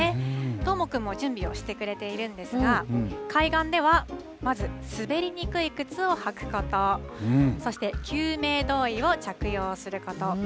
どーもくんも準備をしてくれているんですが海岸ではまず滑りにくい靴を履くことそして救命胴衣を着用すること。